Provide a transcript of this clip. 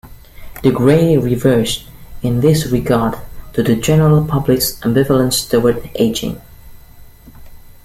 De Grey refers, in this regard, to the general public's ambivalence towards aging.